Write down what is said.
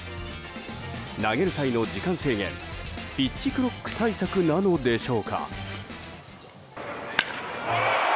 投げる際の時間制限ピッチクロック対策なのでしょうか。